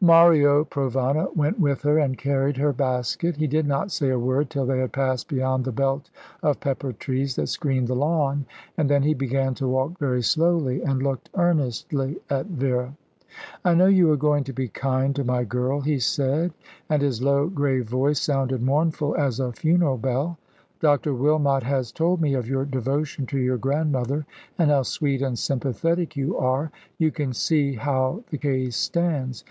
Mario Provana went with her, and carried her basket. He did not say a word till they had passed beyond the belt of pepper trees that screened the lawn, and then he began to walk very slowly, and looked earnestly at Vera. "I know you are going to be kind to my girl," he said, and his low, grave voice sounded mournful as a funeral bell. "Dr. Wilmot has told me of your devotion to your grandmother and how sweet and sympathetic you are. You can see how the case stands.